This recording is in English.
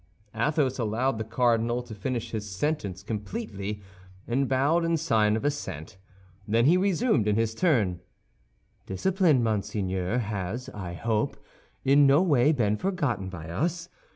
Athos allowed the cardinal to finish his sentence completely, and bowed in sign of assent. Then he resumed in his turn: "Discipline, Monseigneur, has, I hope, in no way been forgotten by us.